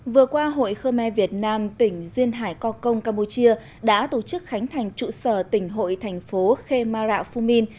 vừa qua hội khơ me việt nam tỉnh duyên hải co công campuchia đã tổ chức khánh thành trụ sở tỉnh hội thành phố khê ma rạ phu minh